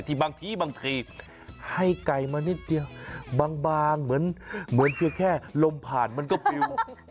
บางทีบางทีให้ไก่มานิดเดียวบางเหมือนเพียงแค่ลมผ่านมันก็ปิว